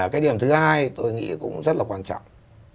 cái điểm thứ hai tôi nghĩ cũng rất là quan trọng